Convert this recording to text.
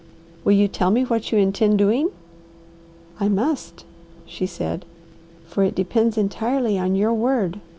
"Will you tell me what you intend doing?" "I must," she said, "for it depends entirely on your word.